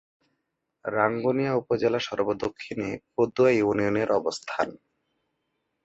রাঙ্গুনিয়া উপজেলা সর্ব-দক্ষিণে পদুয়া ইউনিয়নের অবস্থান।